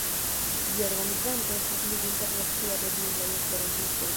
Ĝia organizanto estas Ligo Internacia de Blindaj Esperantistoj.